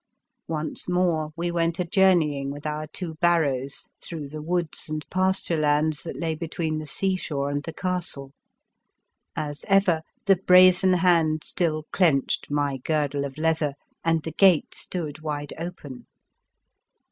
Once more we went a journeying with our two barrows through the woods and pasture lands that lay be tween the seashore and the castle. As ever, the brazen hand still clenched my girdle of leather and the gate stood wide open.